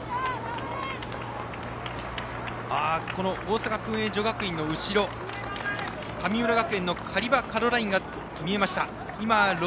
大阪薫英女学院の後ろ神村学園のカリバ・カロラインが見えました。